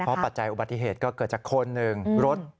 ปัจจัยอุบัติเหตุก็เกิดจากคนหนึ่งรถ